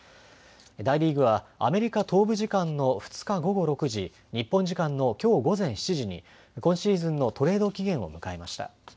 大リーグはアメリカ東部時間の２日午後６時、日本時間のきょう午前７時に今シーズンのトレード期限を迎えました。